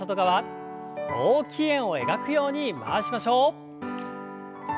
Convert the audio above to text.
大きい円を描くように回しましょう。